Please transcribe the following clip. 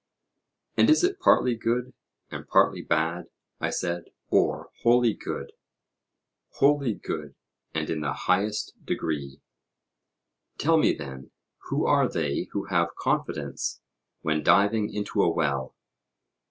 And is it partly good and partly bad, I said, or wholly good? Wholly good, and in the highest degree. Tell me then; who are they who have confidence when diving into a well?